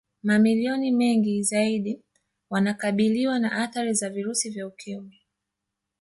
Mamilioni mengi zaidi wanakabiliwa na athari za virusi vya Ukimwi